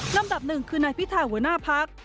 ลำดับหนึ่งคือนายพิธาหัวหน้าพัก